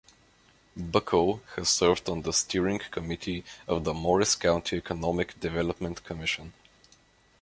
Bucco has served on the steering committee of the Morris County Economic Development Commission.